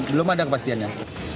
belum ada kepastiannya